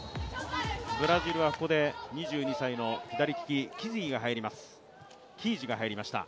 ブラジルはここで２２歳の左利き、キージが入りました。